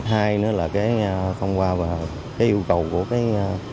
thứ hai nữa là cái không qua và cái yêu cầu của cái